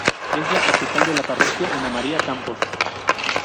Es la capital de la Parroquia Ana María Campos.